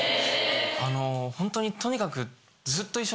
ホントにとにかく。